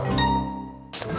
tidur aja pake salam